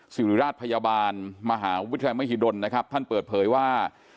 สิริราชพยาบาลมหาวิทยาลัยมหิดลนะครับท่านเปิดเผยว่า